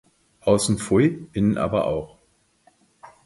Aussen pfui, innen aber auch!